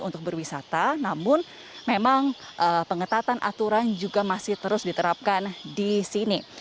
untuk berwisata namun memang pengetatan aturan juga masih terus diterapkan di sini